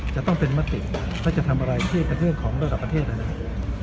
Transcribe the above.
จะต้องเป็นมติและจะทำอะไรที่เป็นเรื่องของระดับประเทศนะครับ